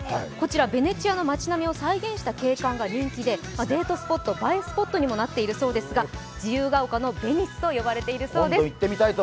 ベネチアの町並みを再現した町並みが人気でデートスポット、映えスポットにもなっているそうですが、自由が丘のベニスといわれているそうです。